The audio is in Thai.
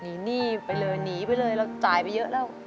หนีหนี้ไปเลยหนีไปเลยเราจ่ายไปเยอะแล้ว